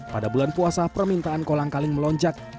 pada bulan puasa permintaan kolang kaling melonjak